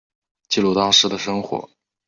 记录当时的生活